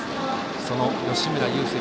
その吉村優聖